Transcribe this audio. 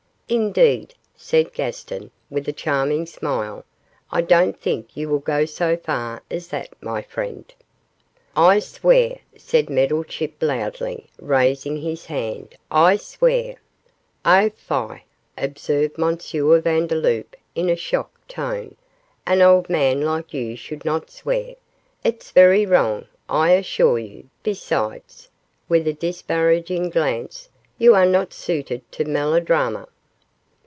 'Indeed,' said Gaston, with a charming smile, 'I don't think you will go so far as that, my friend.' 'I swear,' said Meddlechip, loudly, raising his hand, 'I swear ' 'Oh, fie!' observed M. Vandeloup, in a shocked tone; 'an old man like you should not swear; it's very wrong, I assure you; besides,' with a disparaging glance, 'you are not suited to melodrama.